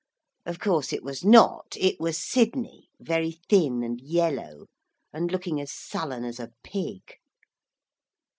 Of course it was not it was Sidney, very thin and yellow, and looking as sullen as a pig.